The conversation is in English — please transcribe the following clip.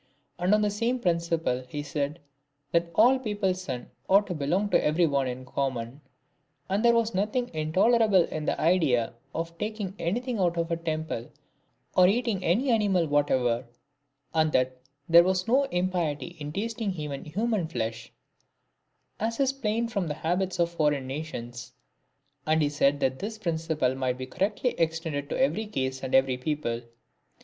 And on the same principle he said, that all people's sons ought to belong to every one in common ; and there was nothing intolerable in the idea of taking anything out of a temple, or eating any animal whatever, and that there was no impiety in tasting even human flesh ; as is plain from the habits of foreign nations ; and he said that this principle might be correctly extended to DIOGENES. 245 every case and every people.